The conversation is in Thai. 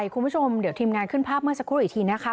คุณผู้ชมเดี๋ยวทีมงานขึ้นภาพเมื่อสักครู่อีกทีนะคะ